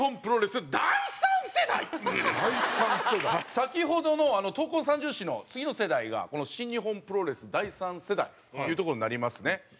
先ほどの闘魂三銃士の次の世代が新日本プロレス第三世代というところになりますね。